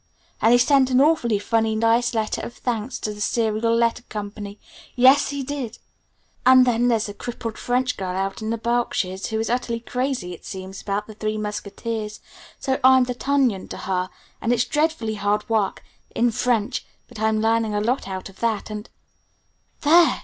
And he sent an awfully funny, nice letter of thanks to the Serial Letter Co. yes, he did! And then there's a crippled French girl out in the Berkshires who is utterly crazy, it seems, about the 'Three Musketeers', so I'm d'Artagnan to her, and it's dreadfully hard work in French but I'm learning a lot out of that, and " "There.